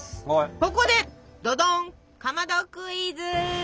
ここでどどんかまどクイズ！